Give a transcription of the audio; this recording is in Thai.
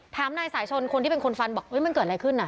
นายสายชนคนที่เป็นคนฟันบอกมันเกิดอะไรขึ้นน่ะ